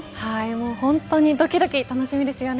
本当にどきどき楽しみですよね。